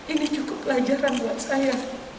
ini cukup pelajaran buat saya